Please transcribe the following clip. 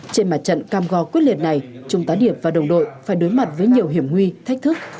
trên mặt trận cam go quyết liệt này trung tá điệp và đồng đội phải đối mặt với nhiều hiểm nguy thách thức